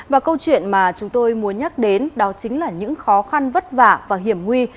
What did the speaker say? và câu chuyện mà chúng tôi muốn nhắc đến đó chính là những khó khăn vất vả và hiểm nguy